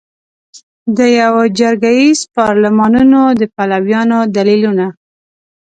د یوه جرګه ایز پارلمانونو د پلویانو دلیلونه